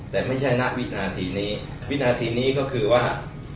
แต่ไม่ใช่นักวิทยาธินี้วิทยาธินี้ก็คือว่า